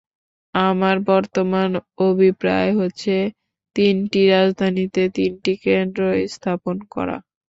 আমার বর্তমান অভিপ্রায় হচ্ছে তিনটি রাজধানীতে তিনটি কেন্দ্র স্থাপন করা।